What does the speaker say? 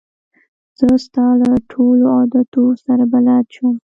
زه ستا له ټولو عادتو سره بلده شوم.